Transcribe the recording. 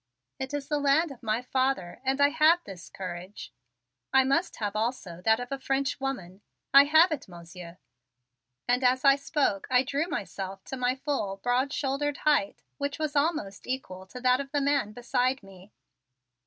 It is the land of my father and I have his courage I must have also that of a French woman. I have it, Monsieur," and as I spoke I drew myself to my full, broad shouldered height, which was almost equal to that of the man beside me.